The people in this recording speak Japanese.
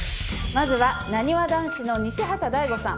まずはなにわ男子の西畑大吾さん